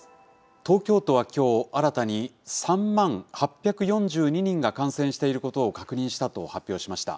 東京都はきょう、新たに３万８４２人が感染していることを確認したと発表しました。